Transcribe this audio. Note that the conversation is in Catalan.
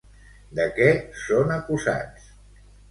De què són acusats?